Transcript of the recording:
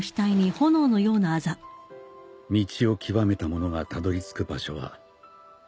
道を極めた者がたどり着く場所はいつも同じだ。